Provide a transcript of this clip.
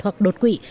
hoặc đột quỵ